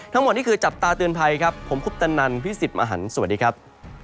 ทั้งหมดนี่คือจับตาเตือนภัยครับผมคุปตนันพี่สิทธิ์มหันฯสวัสดีครับ